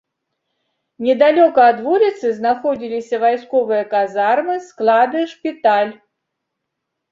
Недалёка ад вуліцы знаходзіліся вайсковыя казармы, склады, шпіталь.